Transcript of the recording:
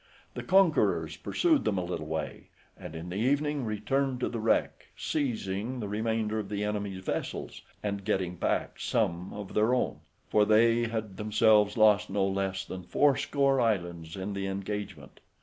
The conquerors pursued them a little way, and in the evening returned to the wreck, seizing the remainder of the enemy's vessels, and getting back some of their own, for they had themselves lost no less than fourscore islands in the engagement.